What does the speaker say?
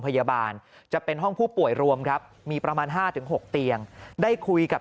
พยาบาลจะเป็นห้องผู้ป่วยรวมครับมีประมาณ๕๖เตียงได้คุยกับ